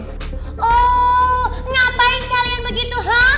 oh ngapain kalian begitu